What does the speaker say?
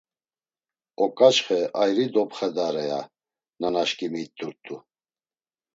Oǩaçxe ayri dopxedare, ya nanaşǩimi it̆urt̆u.